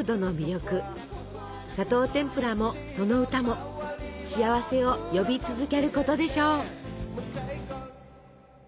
「砂糖てんぷら」もその歌も幸せを呼び続けることでしょう。